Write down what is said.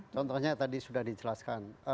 contohnya tadi sudah dicelaskan